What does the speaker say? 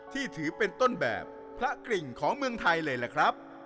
ที่ถือเป็นต้นแบบพระกริ่งของเมืองไทยเลยล่ะครับ